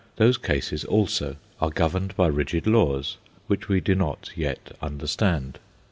Those cases also are governed by rigid laws, which we do not yet understand.